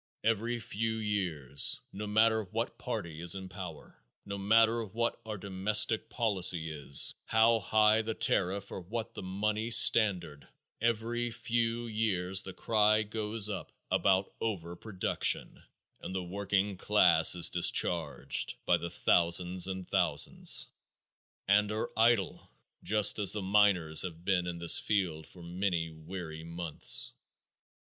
Every few years, no matter what party is in power, no matter what our domestic policy is, how high the tariff or what the money standard, every few years the cry goes up about "over production" and the working class is discharged by the thousands and thousands, and are idle, just as the miners have been in this field for many weary months.